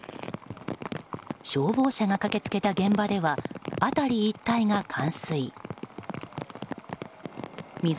消防車が駆け付けた現場では辺り一帯が冠水。